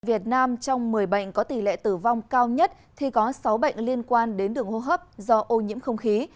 việt nam trong một mươi bệnh có tỷ lệ tử vong cao nhất thì có sáu bệnh liên quan đến đường hô hấp do ô nhiễm không khí